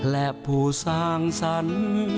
และผู้สร้างสรรค์